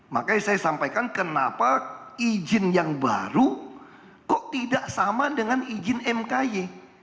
makanya saya sampaikan kenapa izin yang baru kok tidak sama dengan izin mky